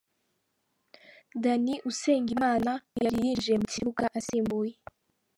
Danny Usengimana yari yinjiye mu kibuga asimbuye.